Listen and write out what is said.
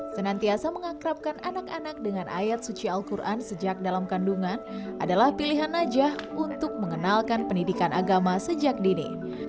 senantiasa mengakrabkan anak anak dengan ayat suci al quran sejak dalam kandungan adalah pilihan najah untuk mengenalkan pendidikan agama sejak dini